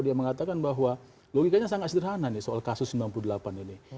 dia mengatakan bahwa logikanya sangat sederhana nih soal kasus sembilan puluh delapan ini